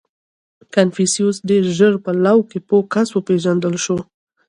• کنفوسیوس ډېر ژر په لو کې پوه کس وپېژندل شو.